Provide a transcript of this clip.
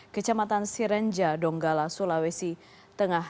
kecamatan sirenja donggala sulawesi tengah